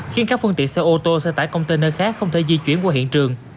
khiến các phương tiện xe ô tô xe tải container khác không thể di chuyển qua hiện trường